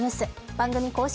番組公式